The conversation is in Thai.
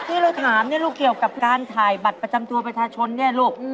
ที่เราถามเนี่ยลูกเกี่ยวกับการถ่ายบัตรประจำตัวประชาชนเนี่ยลูก